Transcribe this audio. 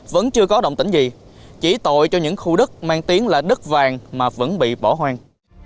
vẫn chưa có động tĩnh gì chỉ tội cho những khu đất mang tiếng là đất vàng mà vẫn bị bỏ hoang